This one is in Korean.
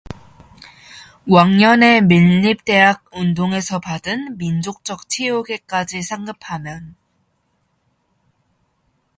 왕년의 민립대학 운동에서 받은 민족적 치욕에까지 상급 하면